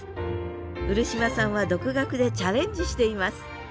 漆島さんは独学でチャレンジしています